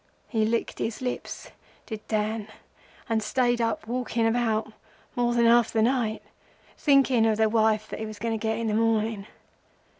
He licked his lips, did Dan, and stayed up walking about more than half the night, thinking of the wife that he was going to get in the morning.